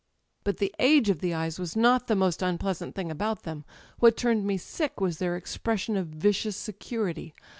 ""But the age of the eyes was not the most unpleasant thing about them. What turned me sick was their ex pression of vicious security.